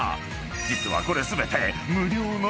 ［実はこれ全て］